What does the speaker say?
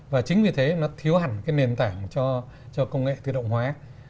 và chính vì thế nó thiếu hẳn cái nền tảng cho công nghệ tự động hóa